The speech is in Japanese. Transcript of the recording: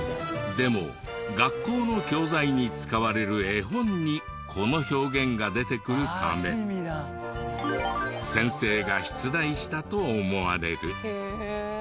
でも学校に教材に使われる絵本にこの表現が出てくるため先生が出題したと思われる。